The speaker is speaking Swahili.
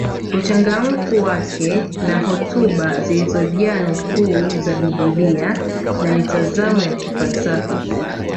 Uchangamfu wake na hotuba zilizojaa nukuu za biblia na mitazamo ya kifalsafa